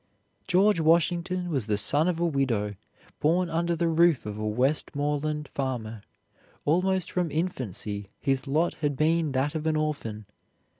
George Washington was the son of a widow, born under the roof of a Westmoreland farmer; almost from infancy his lot had been that of an orphan.